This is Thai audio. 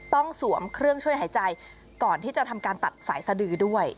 สวมเครื่องช่วยหายใจก่อนที่จะทำการตัดสายสดือด้วย